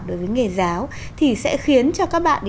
đối với nghề giáo thì sẽ khiến cho các bạn ý